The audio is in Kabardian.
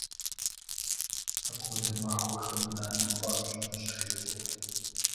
Апхуэдэ махуэхэм нанэ хуабжьу нэщхъей хъурт.